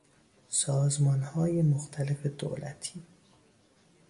سازمانهای مختلف دولتی